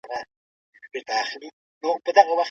ښځې د ټولنې نیمایي برخه جوړوي.